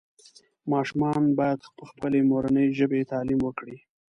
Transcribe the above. ماشومان باید پخپلې مورنۍ ژبې تعلیم وکړي